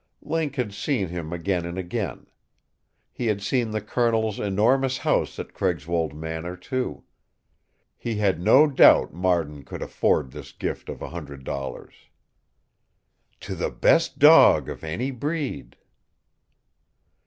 Link had seen him again and again. He had seen the Colonel's enormous house at Craigswold Manor, too. He had no doubt Marden could afford this gift of a hundred dollars. "TO THE BEST DOG OF ANY BREED!"